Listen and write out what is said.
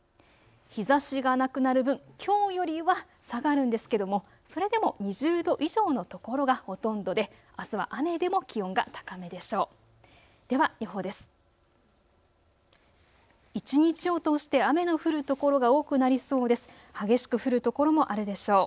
日ざしがなくなる分、きょうよりは下がるんですけどもそれでも２０度以上の所がほとんどであすは雨でも気温が高めでしょう。